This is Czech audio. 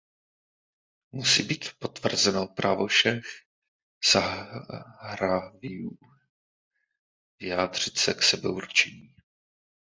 Musí být potvrzeno právo všech Sahrawiů vyjádřit se k sebeurčení.